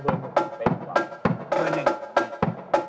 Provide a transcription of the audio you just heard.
เบอร์๒แต่งท่อ